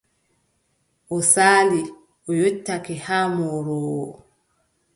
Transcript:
O saali, o yottake, haa o mooroowo.